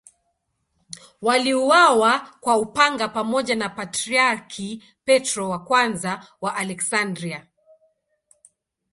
Waliuawa kwa upanga pamoja na Patriarki Petro I wa Aleksandria.